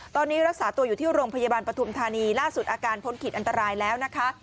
ตอนนี้รักษาตัวอยู่ที่โรงพยาบาลปฐุมธานีล่าสุดอาการพ้นขีดอันตรายแล้วนะคะ